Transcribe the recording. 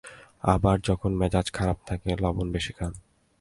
আবার যখন মেজাজ খারাপ থাকে লবণ বেশি খান।